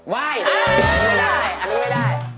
ว่ายอันนี้ไม่ได้